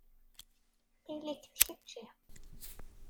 Ili-k d kečči.